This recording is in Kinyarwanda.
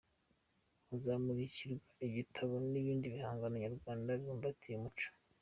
Hazamurikwa ibitabo n’ibindi bihangano Nyarwanda bibumbatiye umuco.